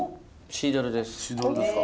シードルですか。